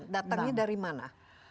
datangnya dari mana